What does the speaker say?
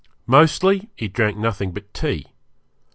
Mostly he drank nothing but tea.